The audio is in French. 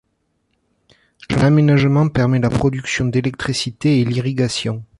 L'aménagement permet la production d’électricité et l’irrigation.